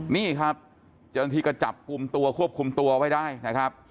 นี่ครับเจ้าหน้าที่ก็จับกลุ่มตัวควบคุมตัวไว้ได้นะครับ